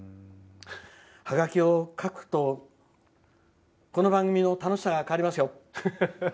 ハガキを書くとこの番組の楽しさが変わりますよ。